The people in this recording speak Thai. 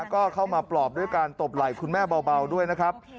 ก็เข้ามาปลอบด้วยการตบไหล่คุณแม่เบาด้วยนะครับ